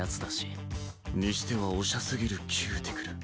にしてはオシャすぎるキューティクル。